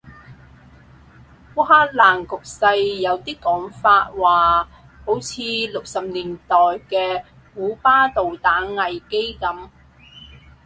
烏克蘭局勢有啲講法話好似六十年代嘅古巴導彈危機噉